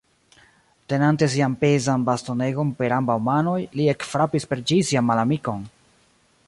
Tenante sian pezan bastonegon per ambaŭ manoj, li ekfrapis per ĝi sian malamikon.